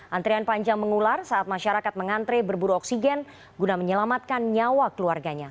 antrian panjang mengular saat masyarakat mengantre berburu oksigen guna menyelamatkan nyawa keluarganya